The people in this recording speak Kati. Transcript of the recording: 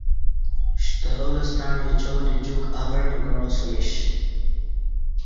شترال ستݩع اچادی جوک اوݩع کعاسمیش